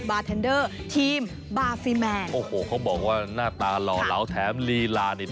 บาเทนเดอร์ทีมบาฟิแมนโอ้โหเขาบอกว่าหน้าตาหล่อเหลาแถมลีลานี่